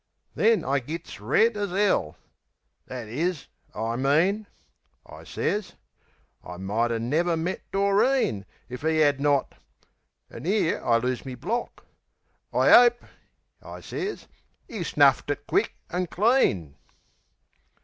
Then I gits red as 'ell, "That is I mean," I sez, "I mighter never met Doreen If 'e 'ad not" an' 'ere I lose me block "I 'ope," I sez, "'e snuffed it quick and clean."